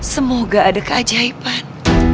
semoga ada keajaiban